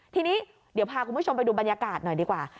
ทีนี้เดี๋ยวพาคุณผู้ชมไปดูบรรยากาศหน่อยดีกว่า